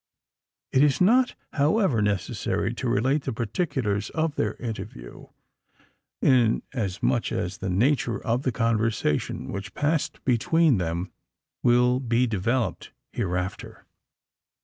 It is not however necessary to relate the particulars of their interview; inasmuch as the nature of the conversation which passed between them will be developed hereafter.